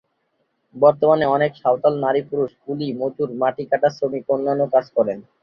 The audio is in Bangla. বর্তমানে অনেক সাঁওতাল নারী-পুরুষ কুলি, মজুর, মাটি কাটার শ্রমিক ও অন্যান্য কাজ করে।